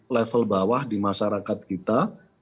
level bawah di masyarakat kita